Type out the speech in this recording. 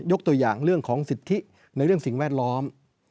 ตัวอย่างเรื่องของสิทธิในเรื่องสิ่งแวดล้อม